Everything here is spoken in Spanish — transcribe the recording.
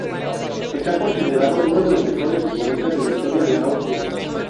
Está considerado uno de los mejores futbolistas de la historia de Austria.